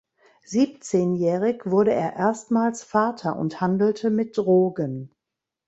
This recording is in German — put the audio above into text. Siebzehnjährig wurde er erstmals Vater und handelte mit Drogen.